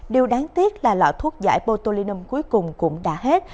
điều đáng tiếc là lọ thuốc giải potolinum cuối cùng cũng đã hết